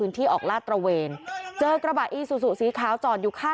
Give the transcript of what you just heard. นำนำนำนำ